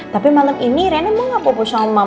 tapi malem ini rena mau gak bawa bawa sama mama